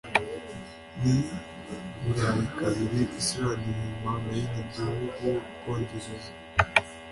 Ni Burayi kabiri Island Nyuma Main Gihugu Bwongereza?